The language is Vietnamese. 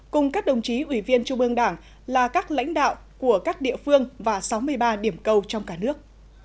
cùng các đồng chí ủy viên trung ương đảng là các lãnh đạo của các địa phương và sáu mươi ba điểm cầu trong cả nước